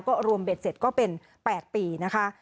ก็รวมเบ็ดเสร็จก็เป็น๘ปีนะคะ